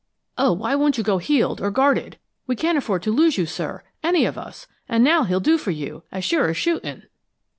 Oh, why won't you go heeled or guarded? We can't afford to lose you, sir, any of us, and now he'll do for you, as sure as shooting!"